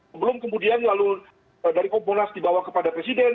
sebelum kemudian lalu dari komponas dibawa kepada presiden